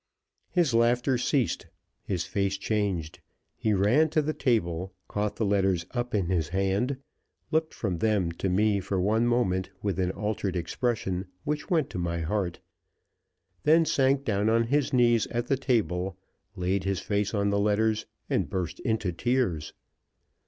His laughter ceased, his face changed, he ran to the table, caught the letters up in his hand, looked from them to me for one moment with an altered expression which went to my heart, then sank down on his knees at the table, laid his face on the letters, and burst into tears.